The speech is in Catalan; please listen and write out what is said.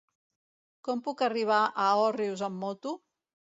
Com puc arribar a Òrrius amb moto?